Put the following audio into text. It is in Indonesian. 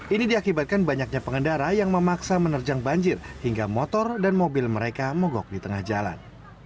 ini diakibatkan banyaknya pengendara yang memaksa menerjang banjir hingga motor dan mobil mereka mogok di tengah jalan